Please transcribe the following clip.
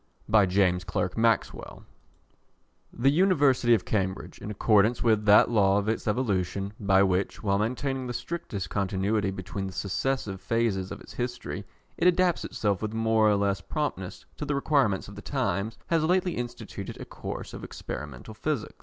James Clerk Maxwell The University of Cambridge, in accordance with that law of its evolution, by which, while maintaining the strictest continuity between the successive phases of its history, it adapts itself with more or less promptness to the requirements of the times, has lately instituted a course of Experimental Physics.